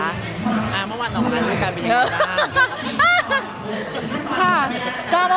อ่าเมื่อวานน้องเข้ามาด้วยกันไปเทียงเวลา